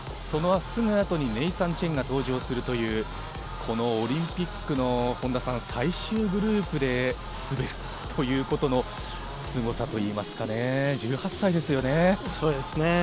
そのすぐ後にネイサン・チェンが登場するというオリンピックの最終グループで滑るということのすごさといいますかね、１８歳ですよね。